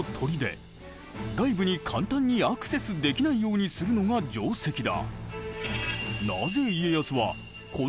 外部に簡単にアクセスできないようにするのが定石だ。